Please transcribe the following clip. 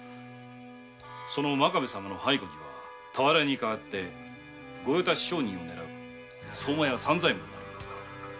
その真壁様の背後には田原屋に代って御用達商人を狙う相馬屋三左衛門なる者が。